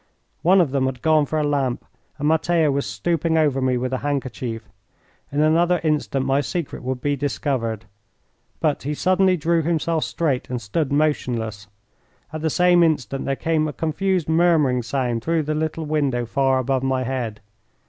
One of them had gone for a lamp and Matteo was stooping over me with a handkerchief. In another instant my secret would be discovered. But he suddenly drew himself straight and stood motionless. At the same instant there came a confused murmuring sound through the little window far above my head.